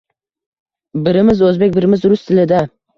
Birimiz o’zbek, birimiz rus tilida…